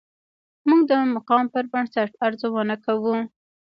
موږ د مقام پر بنسټ ارزونه کوو.